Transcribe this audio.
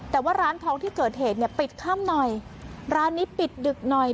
แต่ว่าร้านทองที่เกิดเหตุเนี่ยปิดค่ำหน่อยร้านนี้ปิดดึกหน่อย